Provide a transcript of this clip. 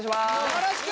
よろしく！